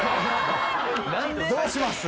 どうします？